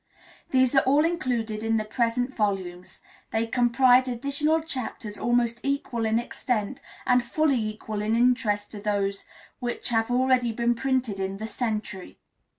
These are all included in the present volumes; they comprise additional chapters almost equal in extent and fully equal in interest to those which have already been printed in "The Century."